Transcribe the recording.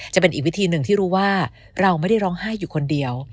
จะเป็นอีกวิธีหนึ่งที่รู้ว่าเราไม่ได้ร้องไห้อยู่คนเดียว